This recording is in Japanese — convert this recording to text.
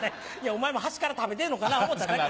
お前も端から食べてるのかな思うただけや。